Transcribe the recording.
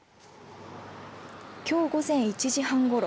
きょう午前１時半ごろ